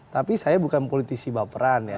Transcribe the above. tapi saya bukan politisi baperan ya